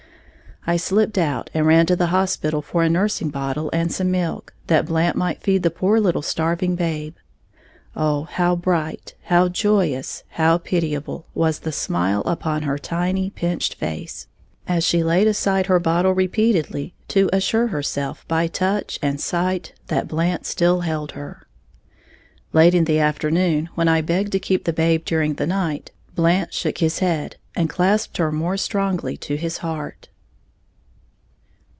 I slipped out and ran to the hospital for a nursing bottle and some milk, that Blant might feed the poor little starving babe. Oh how bright, how joyous, how pitiable, was the smile upon her tiny, pinched face as she laid aside her bottle repeatedly to assure herself by touch and sight that Blant still held her. Late in the afternoon, when I begged to keep the babe during the night, Blant shook his head, and clasped her more strongly to his heart.